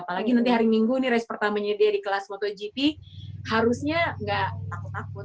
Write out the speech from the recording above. apalagi nanti hari minggu ini range pertamanya dia di kelas motogp harusnya nggak takut takut